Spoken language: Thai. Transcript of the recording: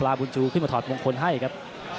น้ำเงินนี่เดิมเป็นมวยเข่านะครับ